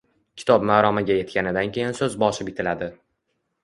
Kitob maromiga yetganidan keyin so‘zboshi bitiladi.